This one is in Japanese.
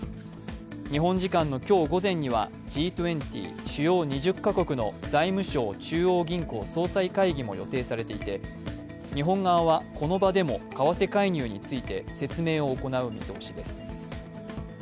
日本時間の今日午前には、Ｇ２０＝主要２０か国の財務相・中央銀行総裁会議も予定されていて日本側はこの場でも為替介入について説明を行う見通しです。